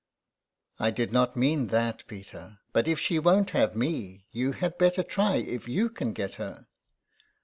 126 THE EXILE. " I did not mean that, Peter ; but if she won't have me, you had better try if you can get her."